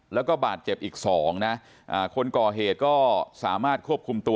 แล้วก็บาดเจ็บอีกสองนะคนก่อเหตุก็สามารถควบคุมตัว